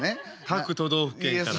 各都道府県から。